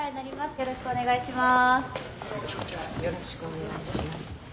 よろしくお願いします。